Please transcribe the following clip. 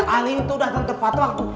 alin tuh datang tepat banget